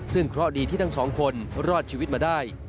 ซึ่งเคราะห์ดีที่ทั้งสองคนรอดชีวิตมาได้